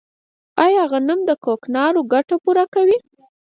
آیا غنم د کوکنارو ګټه پوره کوي؟